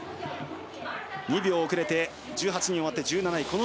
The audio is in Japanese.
２秒遅れて１８人終わって１７位。